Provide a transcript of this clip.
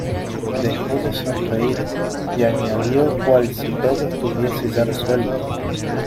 dejó de sonreír, y añadió cual si todo estuviese ya resuelto: